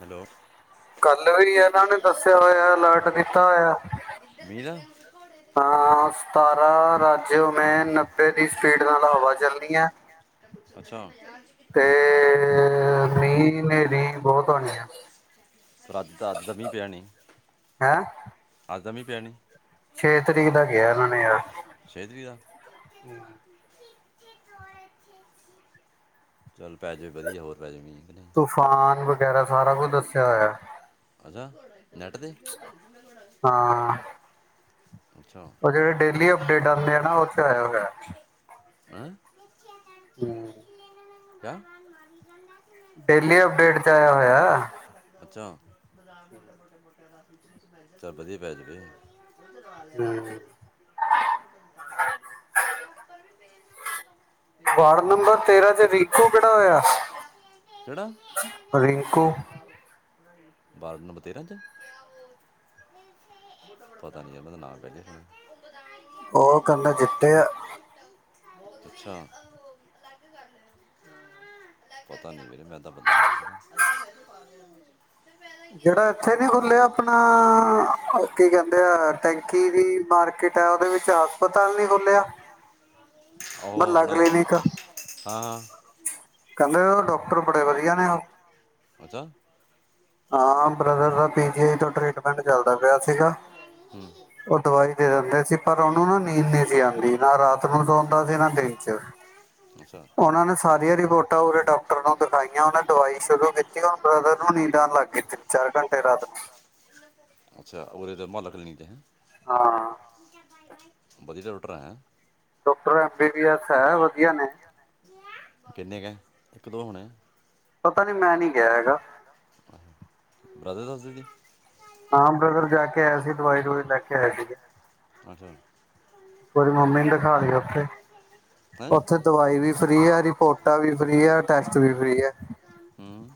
Hello, ਕੱਲ੍ਹ ਵੀ ਇਹਨਾਂ ਨੇ ਦੱਸਿਆ ਹੋਇਆ ਅਲਰਟ ਦਿੱਤਾ ਹੋਇਆ, ਮੀਂਹ ਦਾ ਹਾਂ ਸਤਾਰਾਂ ਰਾਜੋ ਮੈਂ ਨੱਬੇ ਦੀ ਸਪੀਡ ਨਾਲ ਹਵਾ ਚੱਲਣੀ ਹੈ। ਅੱਛਾ। ਤੇ ਮੀਹ ਹਨੇਰੀ ਬਹੁਤ ਆਣੀ ਪਰ ਅੱਜ ਤਾਂ ਅੱਜ ਤਾਂ ਮੀਂਹ ਪਿਆ ਨਹੀਂ ਐ। ਅੱਜ ਤਾ ਮੀਹ ਪਿਆ ਨੀ। ਛੇ ਤਰੀਕ ਦਾ ਕਿਹਾ ਉਹਨਾਂ ਨੇ ਯਾਰ ਛੇ ਤਰੀਕ ਦਾ ਚੱਲ ਪੈ ਜਾ ਵਧੀਆ ਹੋਰ ਪੈ ਜੈ ਮੀਹ ਤੂਫਾਨ ਵਗੈਰਾ ਸਾਰਾ ਕੁਝ ਦੱਸਿਆ ਹੋਇਆ। ਅੱਛਾ ਨੈੱਟ 'ਤੇ ਹਾਂ। ਅੱਛਾ ਉਹ ਜਿਹੜੇ ਡੇਲੀ ਅਪਡੇਟ ਆਦੇ ਆ ਨਾ ਉਹ ਚ ਆਇਆ ਹੋਇਆ। ਹੂੰ ਹੂੰ ਕਿਆ ਡੇਲੀ ਅਪਡੇਟ ਚ ਆਇਆ ਹੋਇਆ। ਚ ਚੱਲ ਵਧੀਆ ਪੈ ਜਾਵੇ। ਹੂੰ ਚ ਰਿੰਕੂ ਕਿਹੜਾ [unintelligible] ਹੋਇਆ ਰਿੰਕੂ ਕਿਹੜਾ ਵਾਰਡ ਨੰਬਰ ਤੇਰਾਂ ਤੇ ਪਤਾ ਨ ਹੈ ਪਤਾ ਨਾਮ ਕਹਿ ਸੀ ਉਹ ਕਲਾ ਜਿੱਤਿਆ ਅੱਛਾ ਪਤਾ ਨੀ ਵੀਰੇ ਮੈਂਨੂੰ ਤਾਂ ਪਤਾ ਨੀ ਜਿਹੜਾ ਇੱਥੇ ਨੀ ਖੁਲਿਆ ਆਪਣਾ ਕੀ ਕਹਿੰਦੇ ਆ ਟੈਂਕੀ ਦੀ ਮਾਰਕੀਟ ਆ ਉਹਦੇ ਵਿੱਚ ਹਸਪਤਾਲ ਨੀ ਖੁਲਿਆ ਉਹ ਆਪਣਾ ਹਾਂ ਹਾਂ ਕਹਿੰਦੇ ਉਹ ਡਾਕਟਰ ਬੜੇ ਵਧੀਆ ਨੇ ਉਹ ਅੱਛਾ ਹਾਂ ਬ੍ਰਦਰ ਦਾ ਪੀਜੀ ਆਈ ਤੋਂ ਟ੍ਰੀਟਮੈਂਟ ਚੱਲਦਾ ਪਿਆ ਸੀਗਾ ਹੂੰ ਉਹ ਦਵਾਈ ਦੇ ਦਿੰਦੇ ਸੀ ਪਰ ਉਹਨੂੰ ਨਾ ਨੀਂਦ ਨਹੀਂ ਸੀ ਆਉਂਦੀ ਨਾ ਰਾਤ ਨੂੰ ਤ ਆਉਂਦਾ ਸੀ ਨਾ ਦਿਨ ਚ ਅੱਛਾ ਉਹਨਾਂ ਨੇ ਸਾਰੀਆਂ ਰਿਪੋਰਟਾਂ ਪੂਰੇ ਡਾਕਟਰ ਨੂੰ ਦਿਖਾਈਆਂ ਉਹਨੇ ਦਵਾਈ ਸ਼ੁਰੂ ਕੀਤੀ ਬ੍ਰਦਰ ਨੂੰ ਨ ਜਾਣ ਲੱਗ ਗ ਤਿੰਨ ਚਾਰ ਘੰਟੇ ਰਾਤ ਫਲਣੀ ਦੇ ਹਾਂ ਵਧੀਆ ਦਾ ਡਾਕਟਰ ਹੈ doctor M B B S ਹੈ ਵਧੀਆ ਨੇ ਕਿੰਨੇ ਕੁ ਇੱਕ ਦੋ ਹੋਣੇ ਪਤਾ ਨੀ ਮੈਂ ਨੀ ਗਿਆ ਹੈਗਾ ਬ੍ਰਦਰ ਦਸਦੇ ਸੀ ਹਾਂ ਬ੍ਰਦਰ ਜਾ ਕੇ ਆਇਆ ਸੀ ਦਵਾਈ ਦਵਾਈ ਲੈ ਕੇ ਆਏ ਅੱਛਾ ਬਢੀ ਮੰਮੀ ਉਥੇ ਓਥੇ ਦਵਾਈ ਵੀ ਫਰੀ ਆ ਰਿਪੋਰਟਾਂ ਵੀ ਫ੍ਰਰੀ ਆ ਟੈਸਟ ਵੀ ਫਰੀ ਆ ਹੂੰ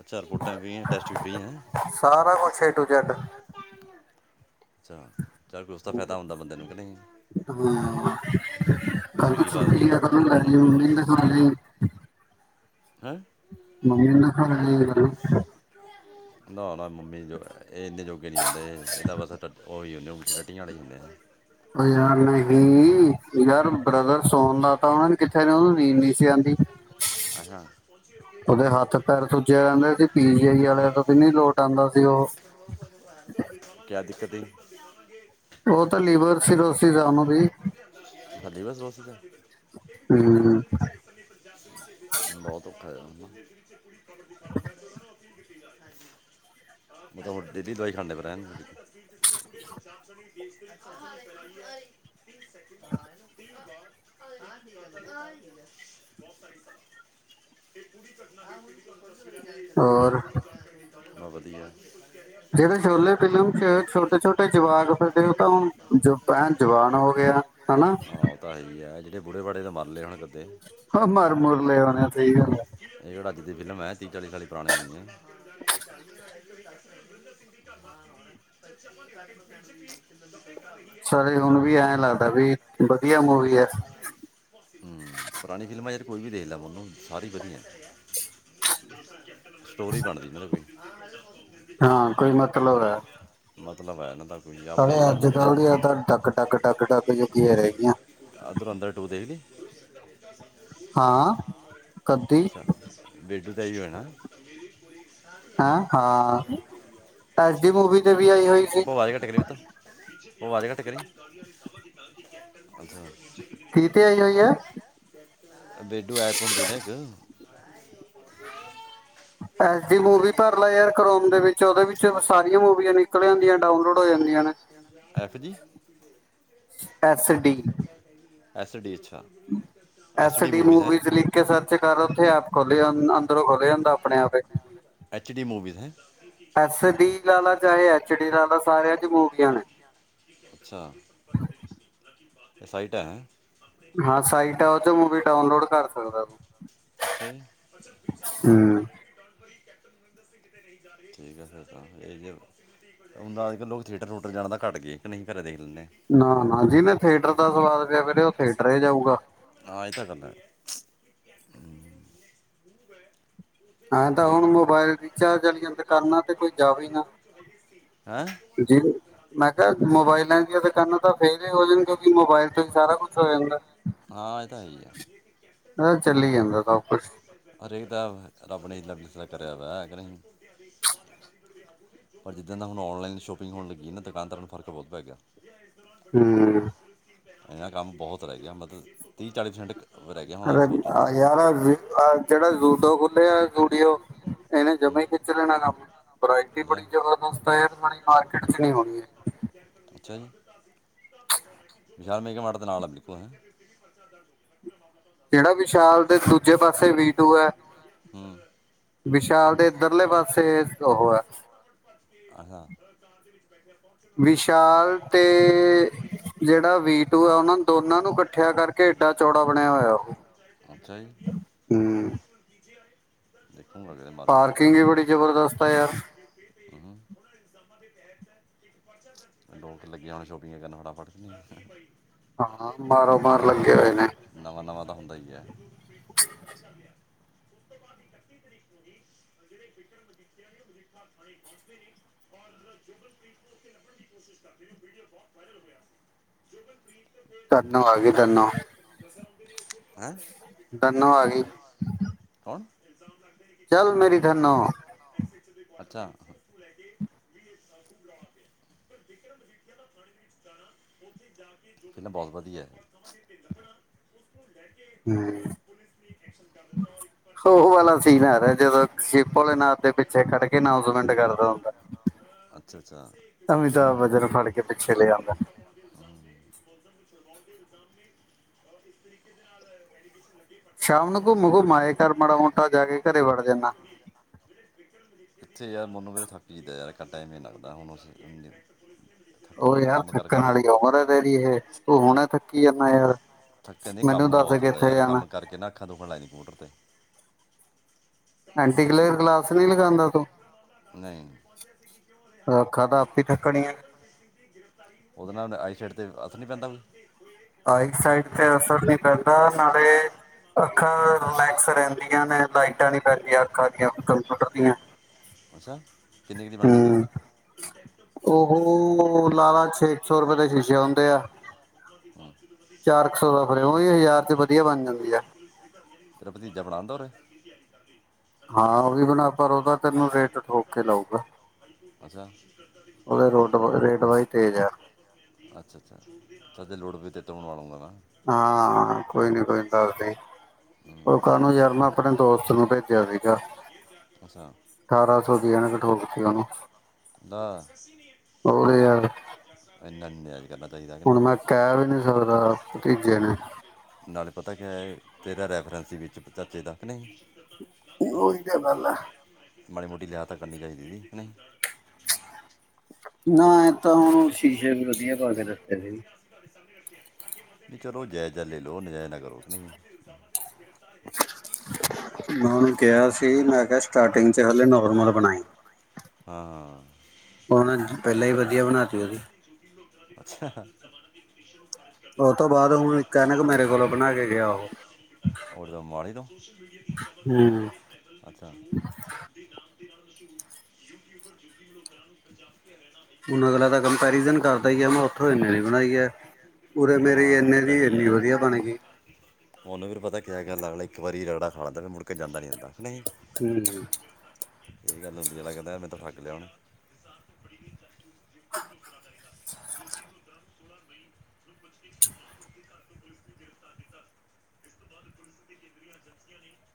ਅੱਛਾ ਰਿਪੋਰਟਾਂ ਵੀ ਫਰੀ ਹੈ ਟੈਸਟ ਵੀ ਫਰੀ ਹੈ ਸਾਰਾ ਕੁਛ ਏ ਅੱਛਾ ਚੱਲ ਕੁਛ ਤਾਂ ਫਾਇਦਾ ਹੁੰਦਾ ਬੰਦੇ ਨੂੰ ਕਿ ਨਹੀਂ ਹ ਕੱਲ ਤਾਂ ਗਰੀਬ ਆਦਮੀ ਛੁੱਟੀ ਨੂੰ ਆ ਮੈਂ ਕਿ ਮਾੜਾ ਕਿਹਾ ਮੋਟਾ ਜੇ ਮੰਮੀ ਨੂੰ ਕੋਈ ਨਾ ਦੇਖ ਲੀਆਈਏ ਹੈਂ ਮੰਮੀ ਨਾਲ ਖ ਨਾ ਨਾ ਮੰਮੀ ਜੋ ਇਹ ਇੰਨੇ ਜੋਗੇ ਨਹੀਂ ਹੁੰਦੇ ਇਹਦਾ ਬਸ ਉਹੀ ਹੇ ਰਟੀਆਂ ਵਾਲੇ ਹੁੰਦੇ ਆ ਹੋ ਯਾਰ ਨਹੀਂ ਯਾਰ ਹਮ, ਬ੍ਰਦਰ ਸੋਨ ਦਾ ਤਾਂ ਉਹਨਾ ਨੇ ਕਿਥੇ ਉਹਨੂੰ ਨੀਂਦ ਨ ਸੀ ਆਉਂਦੀ ਅੱਛਾ ਓਦੇ ਹੱਥ ਪੈਰ ਸੁੱਜੇ ਰਹਿੰਦੇ ਸੀ ਪੀਜੀ ਆਈ ਵਾਲੇ ਤੋਂ ਵੀ ਨ ਲੋਟ ਆਉਂਦਾ ਸੀ ਉਹ ਕਿਆ [inaudible] ਉਹ ਤਾਂ ਲੀਵਰ ਸੀਰੋ ਸਾਨੂੰ ਦੀ ਹ ਬਸ ਹੂੰ ਬਹੁਤ ਔਖਾ ਕੁੜੀ [inaudible] [unintelligible] ਡੇਲੀ ਦਵਾਈ ਖਾਂਦੇ ਫੇਰ ਹੈ [unintelligible] [unintelligible] ਪੂਰੀ ਘਟਨਾ [unintelligible] ਹੋਰ [unintelligible] ਹੋਰ ਵਧੀਆ ਜਿਵੇਂ ਛੋਲੇ ਫਿਲਮ ਚ ਛੋਟੇ ਛੋਟੇ ਜਵਾਕ ਫਿਰਦੇ ਉਹ ਤਾਂ ਹੁਣ ਜ ਏਨ ਜਵਾਨ ਹੋ ਗਿਆ ਹਨਾ ਹਾਂ ਉਹ ਤਾਂ ਹੈ ਹੀ ਹੈ ਜਿਹੜੇ ਬੂੜੇ ਬਾੜੇ ਤਾਂ ਮਰਲੇ ਹੋਨੇ ਫੇਰ ਹਾ ਮਰ ਮੁਰ ਲੈ ਹੋਣੇ ਆ ਸਹੀ ਗੱਲ ਏ ਇਹ ਕਿਹੜਾ ਅੱਜ ਦੀ ਫਿਲਮ ਹੈ ਤੀਹ ਚਾਲੀ ਸਾਲ ਈ ਪੁਰਾਣੀ ਹੋਣੀ ਹੈ [unintelligible] ਸਾਰੇ ਹੁਣ ਵੀ ਐ ਲਗ ਵੀ ਵਧੀਆ ਮੂਵੀ ਹਮ ਪੁਰਾਣੀ ਫਿਲਮਾਂ ਯਾਰ ਕੋਈ ਵੀ ਦੇਖ ਲੈ ਮੋਨੂੰ ਸਾਰੇ ਹੀ ਵਧੀਆ ਸਟੋਰੀ ਬਣਦੀ ਮਤਲਬ ਕੋਈ [inaudible] ਹਾਂ ਕੋਈ ਮਤਲਬ ਹੈ ਮਤਲਬ ਹੈ ਨਾ ਤਾਂ ਨਾਲੇ ਅੱਜ ਕੱਲ੍ਹ ਦੀਆ ਡੱਕ ਟੱਕ ਟੱਕ ਟੱਕ ਜੇ ਅ ਧੂਰੰਦਰ ਟੂ ਦੇਖਲੀ [unintelligible] ਹਾਂ ਕਦ ਦੀ [unintelligible] ਹੈਂ ਹਾਂ ਐਸ ਡੀ ਅੱਛਾ ਮੂਵੀ ਤੇ ਵੀ ਆਈ ਹੋਈ ਸੀ ਪਪਾ ਆਵਾਜ਼ ਘੱਟ ਕਰੀ ਪੁੱਤ ਉਹ ਅਵਾਜ਼ ਘੱਟ ਕਰੀ [inaudible] ਅੱਛਾ ਕੀ ਤੇ ਆਈ ਹੋਈ ਐ? ਬੇਡੂ ਐਪ ਹੁੰਦੀ ਨਾ ਇਕ ਐਸ ਡੀ ਮੂਵੀ ਭਰ ਲਏ ਯਾਰ ਕਰੋਮ ਦੇ ਵਿੱਚ ਉਹਦੇ ਵਿੱਚ ਸਾਰੀਆਂ ਮੂਵੀਆਂ ਨਿਕਲ ਆਂਦੀਆਂ ਡਾਊਨਲੋਡ ਹੋ ਜਾਂਦੀਆਂ ਨੇ F G S D S D ਚ ਐਸ ਡੀ ਮੂਵੀਜ਼ ਲਿਖ ਕੇ ਸਰਚ ਕਰ ਓਥੇ ਐਪ ਖੁੱਲ੍ਹ ਜਾਂਦਾ ਅੰਦਰੋਂ ਖੁਲ ਜਾਂਦਾ ਆਪਣੇ ਆਪ ਏ ਐਸ ਡੀ ਲਾ ਲੈ ਚਾਹੇ ਐਚ ਡੀ ਲਾ ਲੈ ਸਾਰਿਆਂ ਚ ਮੂਵੀਆਂ ਨੇ ਇਹ ਸਾਈਟਾ ਹੈ ਹਾਂ ਸਾਈਟ ਆ ਉਹ 'ਚ ਮੂਵੀ ਡਾਊਨਲੋਡ ਕਰ ਸਕਦਾ ਤੂੰ ਅਛਾ ਜੀ ਹੂੰ ਠੀਕ ਆ ਫਿਰ ਤਾਂ ਇਹ ਜੇ ਹ ਅੱਜ ਕੱਲ ਲੋਕ ਥੀਏਟਰ ਥੀਯੁਟਰ ਜਾਣ ਤਾਂ ਘੱਟ ਗਏ ਕਿ ਨਹੀਂ ਘਰੇ ਦੇਖ ਲੈਂਦੇ ਨਾ ਨਾ ਜਿਨੇ ਥੀਏਟਰ ਦਾ ਸਵਾਦ ਪਿਆ ਫਰੇ ਉਹ ਥੀਏਟਰ ਹੀ ਜਾਊਗਾ ਹੂੰ ਐ, ਤਾਂ ਹੁਣ ਮੋਬਾਇਲ ਰੀਚਾਰਜ ਵਾਲ ਜਾਂ ਦੁਕਾਨਾਂ ਤੇ ਕੋਈ ਜਾਵੇ ਨਾ, ਹੈਂ ਜੀ ਮੈਂ ਕਿਹਾ ਮੋਬਾਇਲਾਂ ਦੀਆਂ ਦੁਕਾਨਾਂ ਤਾਂ ਫੇਲ ਹੀ ਹੋ ਜਾਣ ਕਿਉਕਿ ਮੋਬਾਇਲ ਤੋਂ ਹੀ ਸਾਰਾ ਕੁਛ ਹੋ ਜਾਂਦਾ। ਹਾਂ ਇਹ ਤਾਂ ਹੈ ਹੀ ਆ ਅ ਚੱਲੀ ਜਾਂਦਾ ਸਭ ਕੁਛ ਹਰੇਕ ਦਾ ਰੱਬ ਨੇ ਇਨਾ ਵਿਚਕਰਾ ਕਰਿਆ ਹੋਇਆ ਪਰ ਜਿੱਦਣ ਦਾ ਹੁਣ ਨਲਾਈਨ ਸ਼ੋਪਿੰਗ ਹੋਣ ਲੱਗੀ ਨਾ, ਦੁਕਾਨਦਾਰਾਂ ਨੂੰ ਫ਼ਰਕ ਬਹੁਤ ਪੈ ਗਿਆ। ਹੂੰ। ਇਹਨਾਂ ਕੰਮ ਬਹੁਤ ਰਹਿ ਗਿਆ। ਮਤਲਬ ਤੀਹ ਚਾਲੀ ਪ੍ਰਸੈਂਟ ਯਾਰ ਜਿਹੜਾ ਦੋਨਾਂ ਕੋ ਸਟੂਡੀਓ ਇਹਨੇ ਜਮਾਂ ਹੂੰ ਹੀ ਖਿੱਚ ਲੈਣਾ ਕੰਮ ਵਰਾਇਟੀ ਅੱਛਾ ਬੜੀ ਜ਼ਬਰਦਸਤ ਪੂਰੀ ਮਾਰਕੀਟ ਚ ਨਹੀਂ ਆਉਣੀ ਅੱਛਾ ਵਿਸ਼ਾਲ ਮੇਗਾ ਮੋਲ ਦੇ ਨਾਲ ਬਿਲਕੁਲ ਹਨਾ। ਜਿਹੜਾ ਵਿਸ਼ਾਲ ਤੇ ਦੂਜੇ ਪਾਸੇ ਵੀਡੂ ਹੈ। ਹੂੰ ਵਿਸ਼ਾਲ ਦੇ ਇੱਧਰਲੇ ਪਾਸੇ ਉਹ ਹੈ। ਅੱਛਾ। ਵਿਸ਼ਾਲ ਤੇ ਜਿਹੜਾ ਵੀਟੂ ਆ, ਉਹਨਾਂ ਨੂੰ ਦੋਨਾਂ ਨੂੰ ਇਕੱਠਿਆ ਕਰਕੇ ਏਡਾ ਚੌੜਾ ਬਣਿਆ ਹੋਇਆ ਉਹ ਅੱਛਾ ਹਮ। ਹ [unintelligible] ਪਾਰਕਿੰਗ ਵੀ ਬੜੀ ਜਬਰਦਸਤ ਹੈ ਯਾਰ ਲੋਕ ਲੱਗੇ ਹੋ ਸ਼ੋਪਿੰਗ ਆ ਕਰਨਾ ਫਟਾਫਟ ਹਾਂ ਮਾਰੋ ਮਾਰ ਲੱਗੇ ਹੋਏ ਨੇ ਨਵਾਂ, ਨਵਾਂ ਦਾ ਹੁੰਦਾ। ਸਹੀ ਹੈ। ਉਸ ਤੋਂ ਬਾਅਦ ਇਕੱਤੀ ਤਰੀਕ ਹੂਦੀ ਨੂੰ ਹੀ ਜਿਹੜੇ ਬਿਕਰ ਮਜੀਠੀਆ ਨੇ ਉਹ ਮਜੀਠਾ ਥਾਣੇ ਪਹੁੰਚਦੇ ਨੇ ਔਰ ਜੋਗਨਪ੍ਰੀਤ ਨੂੰ ਉੱਥੇ ਲੱਭਣ ਦੀ ਕੋਸ਼ਿਸ਼ ਕਰਦੇ ਨੇ ਉਹ ਵੀਡੀਓ ਬਹੁਤ ਵਾਇਰਲ ਹੋਇਆ ਸੀ। ਜੋਗਨਪ੍ਰੀਤ ਕਰਨ ਆ ਗਈ ਤੈਨੂੰ ਹੈਂ। ਧੰਨਵਾ ਆ ਗਿਆ਼। ਕੌਣ। ਚੱਲ ਮੇਰੀ ਧਨੋ ਅੱਛਾ ਕਿਨਾ ਬਹੁਤ ਵਧੀਆ। ਹਮ। ਉਹ ਵਾਲਾ ਸੀਨ ਆ ਰਿਹਾ ਜਦੋਂ ਸ਼ਿਪ ਨਾਥ ਦੇ ਪਿੱਛੇ ਖੜ ਕੇ ਅਨਾਸਮੈਂਟ ਕਰਦਾ ਹੁੰਦਾ ਅੱਛਾ ਅੱਛਾ ਅਮਿਤਾਬ ਬੱਚਨ ਫੜ ਕੇ ਪਿੱਛੇ ਲੈ ਆਦਾ। ਕਰਵਾਉਣ ਦੇ ਇਲਜ਼ਾਮ ਨੇ ਇਸ ਤਰੀਕੇ ਦੇ ਨਾਲ ਐਲੀਕੇਸ਼ਨ। ਸ਼ਾਮ ਨੂੰ ਘੁੰਮ, ਘੁੰਮ ਆਏ। ਘਰ ਮਾੜਾ ਮੋਟਾ ਜਾ ਕੇ ਘਰੇ ਵੜ ਜਾਂਦਾ। [inaudible] ਥੇ ਯਾਰ ਮੈਨੂੰ ਵੀ ਥਾਕਿ ਦੇ ਟਾਈਮੇ ਲੱਗਦਾ ਹੁਣ ਅਸੀਂ। [unintelligible] ਉਹ ਯਾਰ ਥੱਕਣ ਆਲੀ ਉਮਰ ਹੈ ਹਜੇ, ਤੇਰੀ ਇਹ ਤੂੰ ਹੁਣੇ ਥੱਕੀ ਜਾਦਾ ਯਾਰ ਥੱਕੇ ਨਹੀਂ ਮੈਨੂੰ ਕੰਮ ਦੱਸ ਬਹੁਤ ਹੁੰਦਾ ਕਿੱਥੇ ਯਾਰ ਜਾਣਾ। ਕੰਮ ਕਰਕੇ ਨਾ ਅੱਖਾਂ ਦੁਖਣ ਲੱਗ ਜਾਂਦੀਆਂ ਕੰਪਿਊਟਰ ਐਂਟੀ ਕਲਰ ਗਲਾਸ ਨੋ ਲਗਾਉਂਦਾ ਤੂੰ 'ਤੇ ਨਹੀਂ ਫੇਰ ਅੱਖਾ ਤਾਂ ਆਪ ਹੀ ਥੱਕਣੀ ਆ। ਅਤੇ ਹਸ ਨਹੀਂ ਪੈਂਦਾ ਕੋਈ, ਆਈਸ ਸਾਈਡ ਤੇ ਅਸਰ ਨੀ ਪੈਂਦਾ ਨਾਲੇ ਅੱਖਾਂ ਤੇ ਲੈ ਰਹਿੰਦੀਆਂ ਨੇ ਲਾਈਟਾਂ ਨੀ ਪੈਂਦੀਆਂ ਅੱਖਾਂ ਦੀਆਂ ਕੰਪਿਊਟਰ ਦੀਆਂ। ਅੱਛਾ ਕਿੰਨੀ ਕੁ ਬਨ ਜਾਂਦੀ ਹੈ। ਹੂੰ ਉਹ ਲਾਲਾ ਛੇ ਕੁ ਸੌ ਰੁਪਏ ਦੇ ਸ਼ੀਸ਼ੇ ਹੁੰਦੇ ਆ। ਚਾਰ ਕੁ ਸੌ ਦਾ ਫਰੇਮ ਉਹੀ ਹਜ਼ਾਰ ਚ ਵਧੀਆ ਬਣ ਜਾਂਦੀ ਆ। ਤੇਰਾ ਭਤੀਜਾ ਬਣਾਦਾ ਉਰੇ, ਹਾਂ, ਉਹ ਵੀ ਬਣਾ ਪਰ ਉਹਦਾ ਤੈਨੂੰ ਰੇਟ ਠੋਕ ਕੇ ਲਊਗਾ, ਅੱਛਾ ਉਹਦੇ ਰੋਟ ਰੇਟ ਵਾਈ ਤੇਜ ਆ। ਚੱਲ ਲੋੜ ਪਈ ਤਾ ਤੇਤੋ ਬਣਾ ਲੂੰਗਾ ਨਾ, ਹਾਂ ਕੋਈ ਨੀ ਕੋਈ ਗੱਲ ਨੀ ਓਕੇ, ਹਮ, ਸਾਨੂੰ ਯਾਰ ਮੈਂ ਆਪਣੇ ਦੋਸਤ ਨੂੰ ਭੇਜਿਆ ਸੀਗਾ, ਅੱਛਾ ਅਠਾਰਾਂ ਸੌ ਦੀਆਂ ਕਠੋਲ ਸੀ ਉਹਨੂੰ ਦਾ ਉਹ ਤੇ ਯਾਰ, ਲਿਹਾਜ ਕਹਿੰਦਾ, ਹੁਣ ਮੈਂ ਕਹਿ ਵੀ ਨੀ ਸਕਦਾ ਭਤੀਜੇ ਨੂੰ, ਨਾਲੇ ਪਤਾ ਕੀਆ ਹੈ, ਤੇਰਾ ਰੈਫਰੈਂਸ ਵੀ ਚਾਚੇ ਤੱਕ ਕੇ ਨਹੀਂ ਉਹੀ ਤਾਂ ਗੱਲ ਆ। [unintelligible] ਮਾੜੀ ਮੋਟੀ ਲਿਆਤ ਕਰਨੀ ਚਾਹੀਦੀ ਜਾਦੀ ਹੈ ਕੇ ਨਹੀਂ। ਨਾ, ਤਾਂ ਹੁਣ ਸ਼ੀਸ਼ੇ ਵੀ ਵਧੀਆ ਪਾ ਕੇ ਦਿੱਤੇ ਸੀ। ਚਲੋ, ਜਾਇਜ਼ਾ ਲੈ ਲਓ ਨਾਜਾਇਜ਼ ਨਾ ਕਰੋ ਕਿ ਨਹੀਂ। ਮੈਂ ਉਹਨੂੰ ਕਿਹਾ ਸੀ ਮੈਂ ਕਿਹਾ ਸਟਾਰਟਿੰਗ ਚ ਹਲੇ ਨੋਰਮਲ ਬਣਾਈ। ਹਾਂ-ਹਾਂ, ਉਨੇ ਪਹਿਲਾਂ ਹੀ ਵਧੀਆ ਬਣਾ ਤੀ ਉਹਦੀ। ਅੱਛਾ, ਉਹ ਤੋਂ ਬਾਅਦ ਹੁਣ ਇੱਕ ਐਨਕ ਮੇਰੇ ਕੋਲੋਂ ਬਣਾ ਕੇ ਗਿਆ ਉਹੋ ਔਰ ਦਾ ਮਾੜੀ ਤੋਂ ਹੂੰ, ਨਾਲ ਮਸ਼ਹੂਰ ਯੂਟਿਊਬਰ ਜੋਤੀ ਵਾ ਨੂੰ ਪੰਜਾਬ ਤਾ ਮੈਂ ਉੱਥੋਂ ਇੰਨੇ ਨੀ ਬਣਾਈ ਹੈ, ਉਰੇ ਮੇਰੀ ਹਾਂ ਇਨੇ ਉਹ ਤਾਂ ਦੀ ਹੀ ਇੰਨੀ ਹੈ ਵਧੀਆ ਬਣ ਗਈ। ਉਹਨੂੰ ਵੀ ਪਤਾ ਕਿਆ ਕੀ ਅਗਲਾ ਇੱਕ ਵਾਰੀ ਰਗੜਾ ਖਾ ਲੈਂਦਾ ਵੀ ਮੁੜਕੇ ਜਾਂਦਾ ਨੀ ਹੁੰਦਾ। ਨਹੀਂ ਹੂੰ ਇਹ ਗੱਲ ਹੁੰਦੀ ਹੈ, ਲੱਗਦਾ ਤਾ ਠੱਗ ਲਿਆ ਉਨੇ,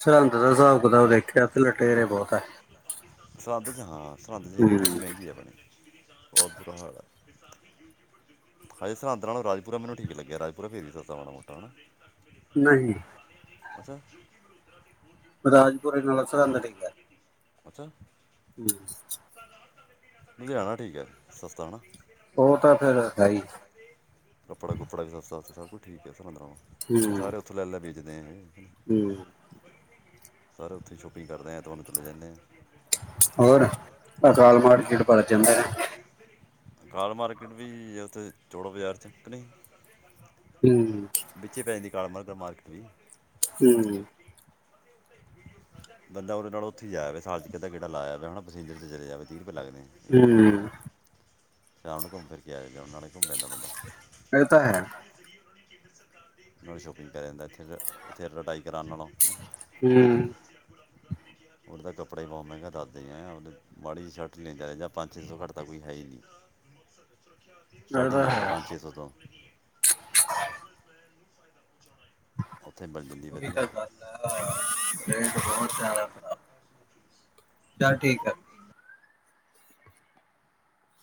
ਸਰੰਹਦ ਦਾ ਹਿਸਾਬ ਕਿਤਾਬ ਦੇਖਿਆ ਉੱਥੇ ਲਟੇਰੇ ਬਹੁਤ ਹੈ। ਸਰੰਹਦ ਚ ਹਾਂ। ਸਰਹੰਦ ਹੂੰ ਹਰੇਕ ਚੀਜ਼ ਮਹਿੰਗੀ ਐ ਆਪਣੀ, ਬਹੁਤ ਬੁਰਾ ਹਾਲ ਐ। ਹਾਜੀ ਸਰਹੰਦਾਂ ਨਾਲੋਂ ਰਾਜ ਪਰਾ ਮਨ ਠੀ ਲੱਗਿਆ ਸ ਪੂਰਾ ਫੇਰੀਤਾ ਮਾੜਾ ਮੋਟਾ ਹੈ ਨਾ ਨਹੀਂ ਅੱਛਾ ਰਾਜਪੁਰਸ [inaudible] ਅੱਛਾ ਹਮ ਲੁਧਿਆਣਾ ਠੀਕ ਹੈ ਸਸਤਾ ਹੈਨਾ ਉਹ ਤਾਂ ਫੇਰ ਹੈਹੀ ਕੱਪੜਾ ਕੁੱਪੜਾ ਵੀ ਸਸਤਾ ਉੱਥੇ ਸਭ ਠੀਕ ਹੈ ਅੱਛ ਪੰਦਰ ਸ ਸਾਰੇ ਉੱਥੋਂ ਲੈ ਲੈੇ ਜਿਦੇ ਹੂੰ। ਸਾਰੇ ਉੱਥੇ ਸ਼ੋਪਿੰਗ ਕਰਦੇ ਏ ਹੋਰ ਅਕਾਲ ਮਾੜ ੜ ਬੜ ਜਾਂ ਜਾਂਦਾ ਕਾਲ ਮਾਰਕਿਟ ਵੀ ਉੱਥੇ ਚੋੜਾਂ ਬਾਜ਼ਾਰ ਚ ਕ ਨਹੀਂ ਹੂੰ ਬੱਚੇ ਪੈਂ ਜਾਂਦੀ ਕਾਲਾ ਮਰ ਪਰਮਾਰਥ ਵੀ ਹਮ ਬੰਦਾ ਉਹਦੇ ਨਾਲ ਉੱਥੇ ਜਾਇਆਵੇ ਸਾਲ ਚ ਕਿ ਕਿਹੜਾ ਲਾਇਆ ਵਾ ਪਸੇਜਰ ਚਲੇ ਜਾਵੇ ਵੀ ਲੱਗਦੇ ਹੂੰ ਸ਼ਾਮ ਨੂੰ ਘੁੰਮ ਫਿਰ ਕੇ ਆਇ ਜਾਂ ਗਿਆ ਉਹ ਨਾਲੇ ਘੁੰਮ ਪੈਂਦਾ ਬੰਦਾ ਏ ਤਾਂ ਹੈ ਨੜੀ ਸ਼ੋਪਿੰਗ ਕਰੀ ਦਿੰਦਾ ਇਥੇ ਇਥੇ ਲੜਾਈ ਕਰਾਨ ਨਾਲੋ ਹਮ ਉਹ ਤਾਂ ਕੱਪੜੇ ਬਹੁਤ ਮਹਿੰਗਾ ਦੱਸਦੇ ਆ ਮਾੜੀ ਚ ਸ਼ਰਟ ਲੈਂਦਾ ਰਹਿ ਪੰਜ ਛੇ ਸੌ ਘੱਟ ਤਾਂ ਕੋਈ ਹੈ ਹੀ ਨਹੀਂ ਇਹ ਸਟਾਰਟਿੰਗ ਹੈ ਤਾਂ ਮਤਲਬ ਪੰਜਛੇ ਸੌ ਤੋਂ [inaudible] ਉੱਥੇ ਮਿਲ ਜਾਂਦੀ ਉਹ ਵਧੀਆ ਤਾਂ ਗੱਲ ਹੈ ਰ ਬਹੁਤਿਆਦਾ ਚੱਲ ਠੀਕ ਏ